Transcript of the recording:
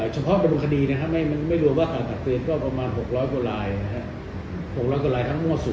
เฉพาะบริมคดีมันไม่รวมว่าต่อตัดเตือนก็ประมาณ๖๐๐กว่าลาย